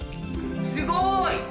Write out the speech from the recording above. すごい！